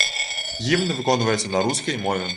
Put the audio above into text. Гімн выконваецца на рускай мове.